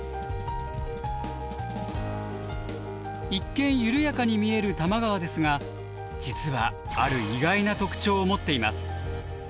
一見緩やかに見える多摩川ですが実はある意外な特徴を持っています。